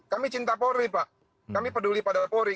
kami cinta polri pak kami peduli pada polri